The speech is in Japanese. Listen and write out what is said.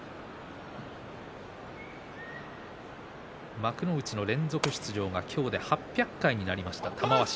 幕内の連続出場が今日で８００回になりました、玉鷲。